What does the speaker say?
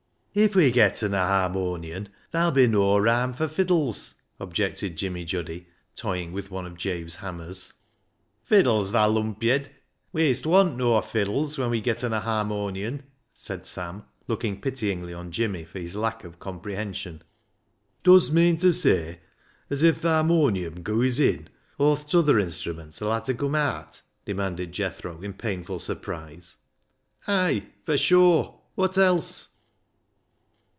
" If we getten a harmonion ther'll be noa raam fur fiddles," objected Jimmy Juddy, to}'ing with one of Jabe's hammers. " Fiddles, thaa lumpyed ! wee'st want noa fiddles when we getten a harmonion," said Sam, looking pityingly on Jimmy for his lack of comprehension. " Dust meean ta say as if th' harmonion gooas in aw th' t'other instriments 'uU ha' ta cum aat ?" demanded Jethro in painful surprise. " Ay, fur shure ! Wot else